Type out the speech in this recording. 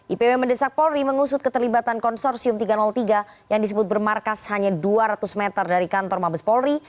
ipw mendesak polri mengusut keterlibatan konsorsium tiga ratus tiga yang disebut bermarkas hanya dua ratus meter dari kantor mabes polri